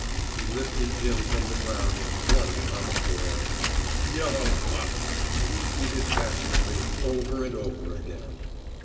He lifted Jim from the ground and flung him on the floor. "Yellow pup!" he repeated passionately, over and over again.